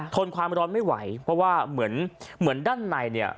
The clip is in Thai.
ทนความร้อนไม่ไหวเพราะว่าเหมือนเหมือนด้านในเนี่ย